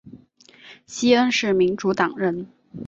西恩是民主党人。